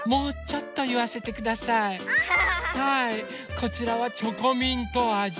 こちらはチョコミントあじ。